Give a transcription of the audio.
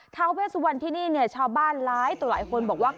เท้าเวสวรที่นี่ชาวบ้านร้ายต่อหลายคนบอกว่า